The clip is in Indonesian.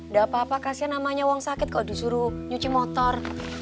gak apa apa kasian namanya wong sakit kok disuruh nyuji motor